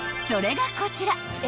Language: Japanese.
［それがこちら］